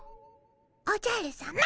おじゃるさま！